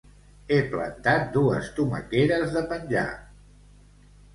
He plantat dues tomaqueres de penjar